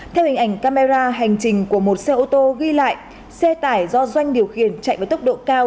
theo hình ảnh camera hành trình của một xe ô tô ghi lại xe tải do doanh điều khiển chạy với tốc độ cao